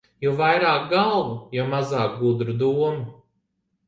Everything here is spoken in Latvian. Jo vairāk galvu, jo mazāk gudru domu.